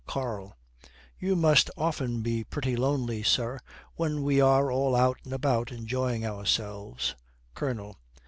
KARL. 'You must often be pretty lonely, sir, when we are all out and about enjoying ourselves.' COLONEL.